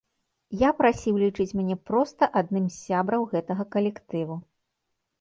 Я прасіў лічыць мяне проста адным з сябраў гэтага калектыву.